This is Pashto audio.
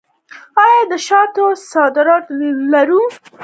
آیا د شاتو صادرات لرو؟